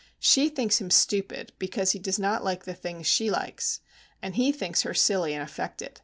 She thinks him stupid because he does not like the things she likes, and he thinks her silly and affected.